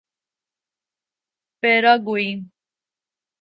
Paraguay